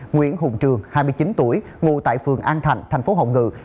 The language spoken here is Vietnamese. nguyễn hùng trường hai mươi chín tuổi ngủ tại phường an thành thành phố hồng ngự